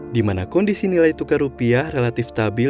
di mana kondisi nilai tukar rupiah relatif stabil